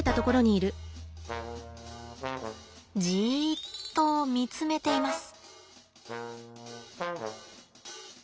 ジッと見つめています。